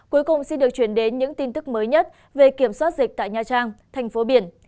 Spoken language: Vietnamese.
cuối cùng xin được chuyển đến những tin tức mới nhất về kiểm soát dịch tại nha trang thành phố biển